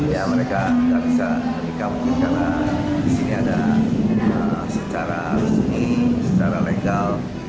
ya mereka tidak bisa menikah mungkin karena disini ada secara resmi secara legal